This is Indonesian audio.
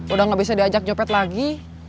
udah gak bisa diajak jopet lagi